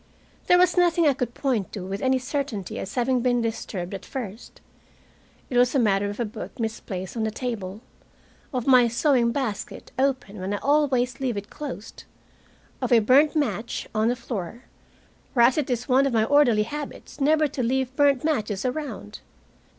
There was nothing I could point to with any certainty as having been disturbed at first. It was a matter of a book misplaced on the table, of my sewing basket open when I always leave it closed, of a burnt match on the floor, whereas it is one of my orderly habits never to leave burnt matches around.